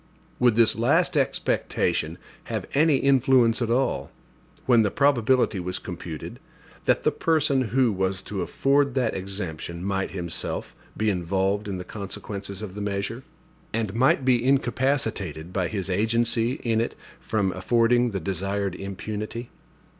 Would this last expectation have any influence at all, when the probability was computed, that the person who was to afford that exemption might himself be involved in the consequences of the measure, and might be incapacitated by his agency in it from affording the desired impunity?